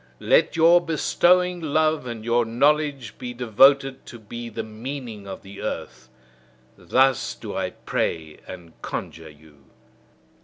Let your bestowing love and your knowledge be devoted to be the meaning of the earth! Thus do I pray and conjure you.